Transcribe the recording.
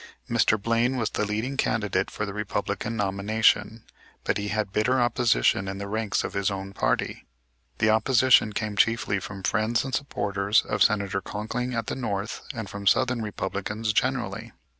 Mr. Blaine was the leading candidate for the Republican nomination, but he had bitter opposition in the ranks of his own party. That opposition came chiefly from friends and supporters of Senator Conkling at the North and from Southern Republicans generally.